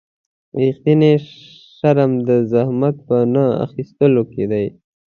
رښتینی شرم د زحمت په نه ایستلو کې دی.